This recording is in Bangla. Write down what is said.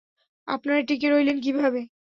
আপনারা টিকে রইলেন কীভাবে?